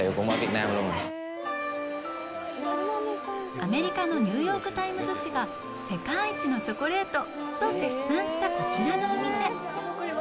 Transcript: アメリカのニューヨーク・タイムズ紙が「世界一のチョコレート」と絶賛したこちらのお店。